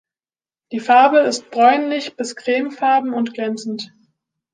Die Farbe ist bräunlich bis cremefarben und glänzend.